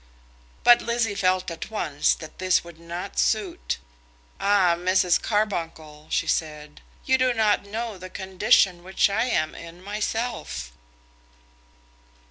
But Lizzie felt at once that this would not suit. "Ah, Mrs. Carbuncle," she said. "You do not know the condition which I am in myself!"